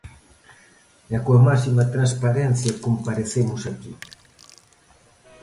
E coa máxima transparencia comparecemos aquí.